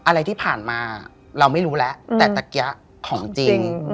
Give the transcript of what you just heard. อะไรที่ผ่านมาเราไม่รู้แล้วแต่ตะเกี๊ยะของจริง